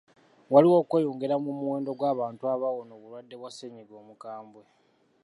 Waliwo okweyongera mu muwendo gw'abantu abawona obulwadde bwa ssennyiga omukambwe.